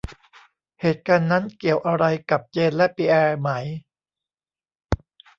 เหตุการณ์นั้นเกี่ยวอะไรกับเจนและปิแอร์ไหม